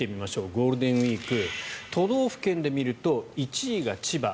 ゴールデンウィーク都道府県で見ると１位が千葉。